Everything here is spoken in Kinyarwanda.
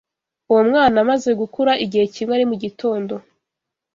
Uwo mwana amaze gukura igihe kimwe ari mu gitondo